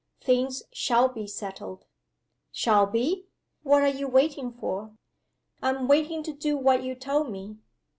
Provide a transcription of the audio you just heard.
"Things shall be settled." "Shall be? What are you waiting for?" "I'm waiting to do what you told me."